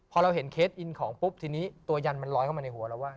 พอเราเห็นเคสอินของปุ๊บทีนี้ตัวยันมันลอยเข้ามาในหัวเราว่า